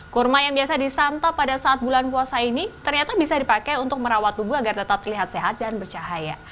kurma yang biasa disantap pada saat bulan puasa ini ternyata bisa dipakai untuk merawat tubuh agar tetap terlihat sehat dan bercahaya